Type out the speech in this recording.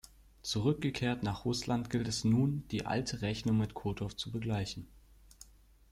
Zurückgekehrt nach Russland gilt es nun, die alte Rechnung mit Kotow zu begleichen.